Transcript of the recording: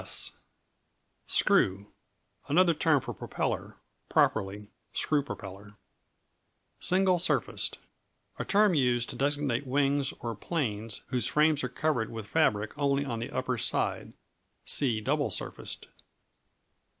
S Screw Another term for propeller; properly, screw propeller. Single surfaced A term used to designate wings or planes whose frames are covered with fabric only on the upper side. See Double surfaced.